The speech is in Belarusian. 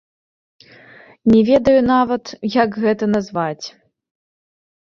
Не ведаю нават, як гэта назваць.